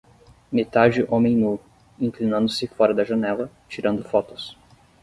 Metade homem nu, inclinando-se fora da janela, tirando fotos.